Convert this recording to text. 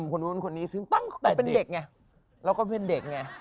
คนนู้นคนนี้ซึ่งตั้งแต่เป็นเด็กไงเราก็เป็นเด็กไง